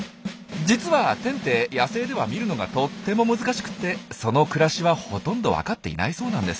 実はテンって野生では見るのがとっても難しくてその暮らしはほとんどわかっていないそうなんです。